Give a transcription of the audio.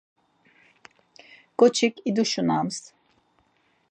Ǩoçik iduşunams.